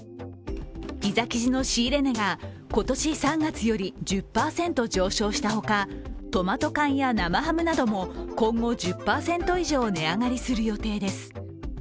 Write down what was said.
ピザ生地の仕入れ値が今年３月より１０％上昇したほか、トマト缶や生ハムなども今後１０％以上、値上がりする予定です。